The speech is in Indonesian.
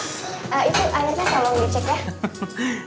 itu akhirnya tolong dicek ya